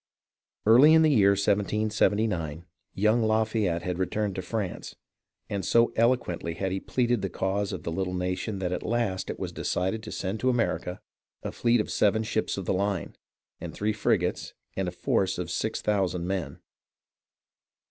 Early in the year 1779 young Lafayette had returned to France, and so eloquently had he pleaded the cause of the little nation that at last it was decided to send to America a fleet of seven ships of the line, and three frigates, and a force of six thousand men.